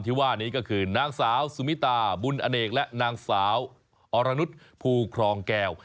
ว่านี้ก็คือนางสาวสุมิตาบุญอเนกและนางสาวอรนุษย์ภูครองแก้ว